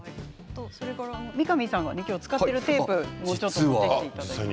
三上さんが使っているテープを持ってきてくださいました。